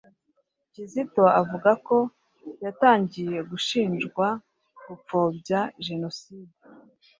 Kizito avuga ko yatangiye gushinjwa gupfobya jenoside.